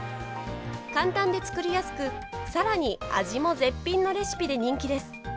簡単で作りやすく、さらに味も絶品のレシピで人気です。